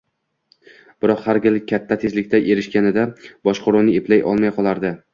Biroq, har gal katta tezlikka erishganida boshqaruvni eplay olmay qolardi.